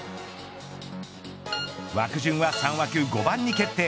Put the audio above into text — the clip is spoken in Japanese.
枠順は３枠５番に決定。